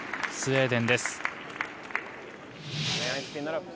スウェーデンです。